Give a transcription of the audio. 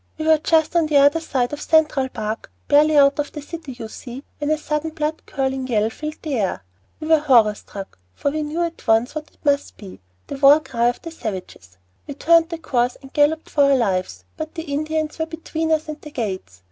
"We were just on the other side of Central Park, barely out of the city, you see, when a sudden blood curdling yell filled the air. We were horror struck, for we knew at once what it must be, the war cry of the savages. We turned of course and galloped for our lives, but the Indians were between us and the gates.